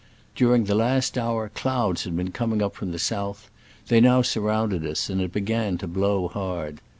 During the last hour clouds had been coming up from the south : they now surrounded us, and it began to blow hard.